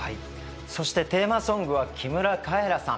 そしてテーマソングは木村カエラさん。